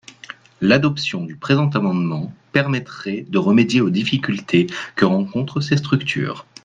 L’adoption du présent amendement permettrait de remédier aux difficultés que rencontrent ces structures.